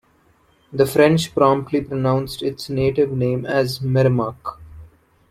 The French promptly pronounced its native name as "Merremack".